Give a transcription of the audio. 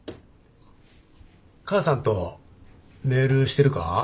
母さんとメールしてるか？